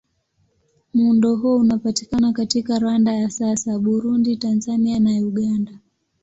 Muundo huo unapatikana katika Rwanda ya sasa, Burundi, Tanzania na Uganda.